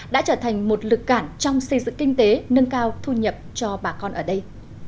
đã trở thành một lực cản trong xây dựng kinh tế nâng cao thu nhập cho bà con ở đây